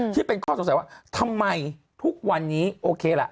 ที่เป็นข้อสงสัยว่าทำไมทุกวันนี้โอเคล่ะ